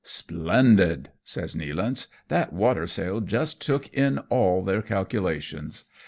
" Splendid," says Nealance, " that water sail just took in all their calculations.